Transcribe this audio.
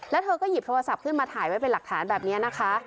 แล้วเธอก็หยิบโทรศัพท์ขึ้นมาถ่ายไว้เป็นหลักฐานแบบนี้นะคะ